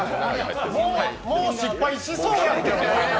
もう失敗しそうやんけ、お前もう。